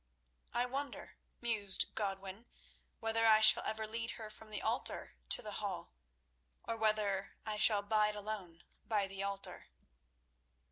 "I wonder," mused Godwin, "whether I shall ever lead her from the altar to the Hall, or whether—I shall bide alone by the altar?"